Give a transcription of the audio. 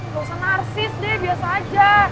lu ga usah narsis deh biasa aja